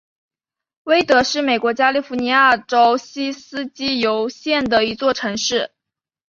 威德是美国加利福尼亚州锡斯基尤县的一座城市。